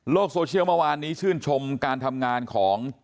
โซเชียลเมื่อวานนี้ชื่นชมการทำงานของ